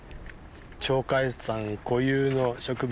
鳥海山固有の植物